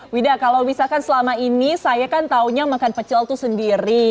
wida kalau misalkan selama ini saya kan taunya makan pecel itu sendiri